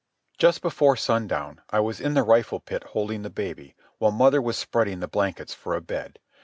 Just before sundown I was in the rifle pit holding the baby, while mother was spreading the blankets for a bed.